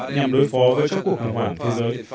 nhằm đối phó với các cuộc khủng hoảng thế giới